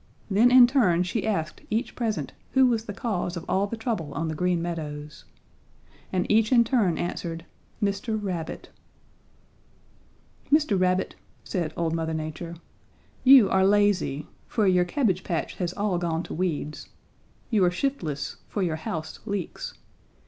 Then in turn she asked each present who was the cause of all the trouble on the Green Meadows. And each in turn answered 'Mr. Rabbit.' "'Mr. Rabbit,' said old Mother Nature, 'you are lazy, for your cabbage patch has all gone to weeds. You are shiftless, for your house leaks.